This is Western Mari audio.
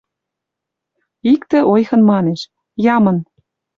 Иктӹ ойхын манеш: «Ямын